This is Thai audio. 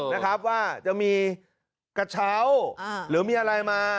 นะครับว่าจะมีกระเช้าหรือมีอะไรมา